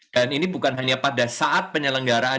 dan ini bukan hanya pada saat penyelenggaraan